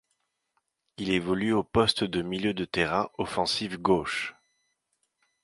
Il évolue au poste de milieu de terrain offensif gauche.